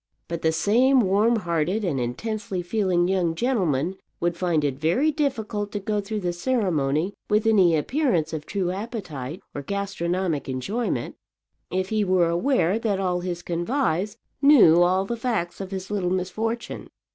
But the same warm hearted and intensely feeling young gentleman would find it very difficult to go through the ceremony with any appearance of true appetite or gastronomic enjoyment, if he were aware that all his convives knew all the facts of his little misfortune.